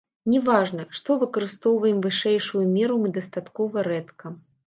Не важна, што выкарыстоўваем вышэйшую меру мы дастаткова рэдка.